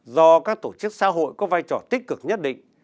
do các tổ chức xã hội có vai trò tích cực nhất định